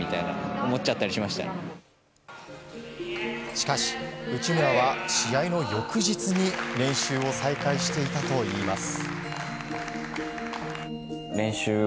しかし、内村は試合の翌日に練習を再開していたといいます。